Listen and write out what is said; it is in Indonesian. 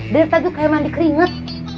daripada tuh kayak mandi keringet